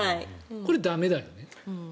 これ、駄目だよね。